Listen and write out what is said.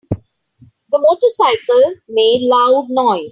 The motorcycle made loud noise.